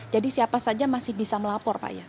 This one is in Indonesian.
jadi siapa saja masih bisa melapor pak ya